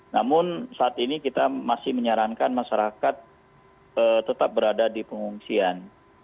namun saat ini kita masih menyarankan masyarakat tetap berada di pengungsian